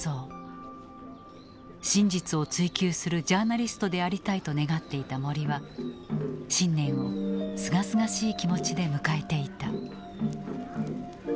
真実を追求するジャーナリストでありたいと願っていた森は新年をすがすがしい気持ちで迎えていた。